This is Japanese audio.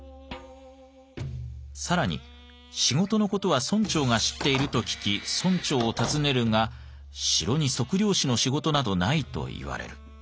更に仕事の事は村長が知っていると聞き村長を訪ねるが城に測量士の仕事などないと言われる。